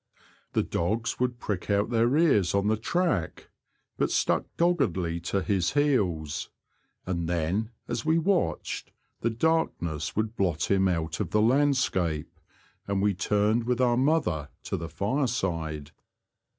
The dogs would prick out their ears on the track, but stuck doggedly to his heels ; and then, as we watched, the dark ness would blot him out of the landscape, and we turned with our mother to the fireside.